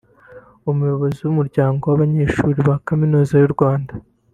Umuyobozi w’Umuryango w’abanyeshuri ba Kaminuza y’u Rwanda